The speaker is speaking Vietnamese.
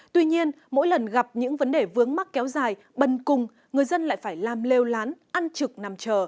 tuy nhiên mỗi lần gặp những vấn đề vướng mắt kéo dài bần cùng người dân lại phải làm lêu lán ăn trực nằm chờ